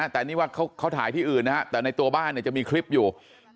แต่นี่ว่าเขาถ่ายที่อื่นนะฮะแต่ในตัวบ้านจะมีคลิปอยู่